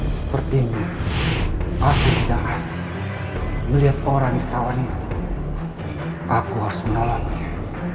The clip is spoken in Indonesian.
sepertinya aku tidak ngasih melihat orang yang tawar itu aku harus menolongnya